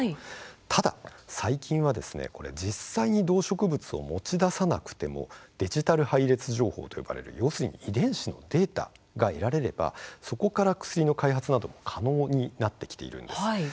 ただ最近は実際に動植物を持ち出さなくてもデジタル配列情報と呼ばれる遺伝子のデータが得られればそこから薬の開発などが可能になってきているんです。